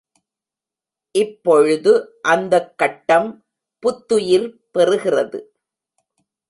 இப்பொழுது அந்தக் கட்டம் புத்துயிர் பெறுகிறது.